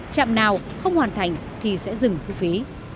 trạm nào không hoàn thành thì sẽ dừng thu phí